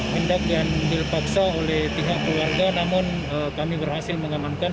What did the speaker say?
hendak dan dilpaksa oleh tiga keluarga namun kami berhasil mengamankan